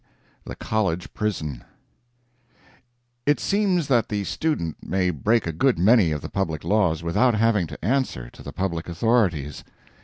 The College Prison It seems that the student may break a good many of the public laws without having to answer to the public authorities.